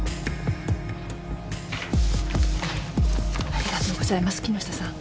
ありがとうございます木下さん。